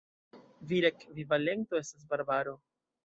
Vira ekvivalento estas Barbaro.